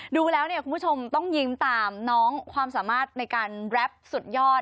ดูแล้วเนี่ยคุณผู้ชมต้องยิ้มตามน้องความสามารถในการแรปสุดยอด